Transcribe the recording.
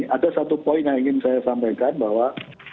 ada satu poin yang ingin saya sampaikan bahwa